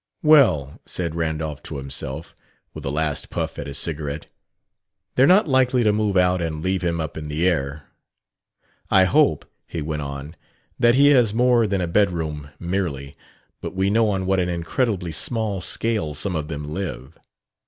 "Well," said Randolph to himself, with a last puff at his cigarette, "they're not likely to move out and leave him up in the air. I hope," he went on, "that he has more than a bedroom merely. But we know on what an incredibly small scale some of them live."